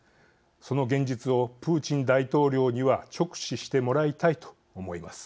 その現実をプーチン大統領には直視してもらいたいと思います。